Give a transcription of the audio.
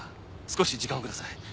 少し時間をください。